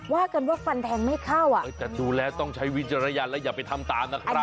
ว่ากันว่าฟันแทงไม่เข้าอ่ะแต่ดูแล้วต้องใช้วิจารณญาณและอย่าไปทำตามนะครับ